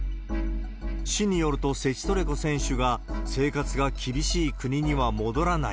市によると、セチトレコ選手が生活が厳しい国には戻らない。